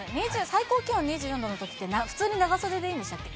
最高気温２４度のときって、普通に長袖でいいんでしたっけ？